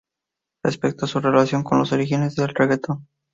Respecto a su relación con los orígenes del reguetón.